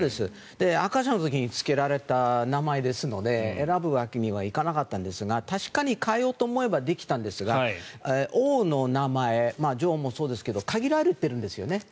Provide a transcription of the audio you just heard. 赤ちゃんの時につけられた名前ですので選ぶわけにはいかなかったんですが確かに、変えようと思えばできたんですが王の名前女王もそうですけど限られているんですよね。